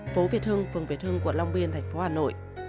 phố việt hưng phường việt hưng quận long biên thành phố hà nội